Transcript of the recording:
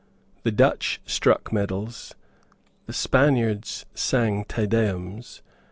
The Dutch struck medals. The Spaniards sang Te Deums.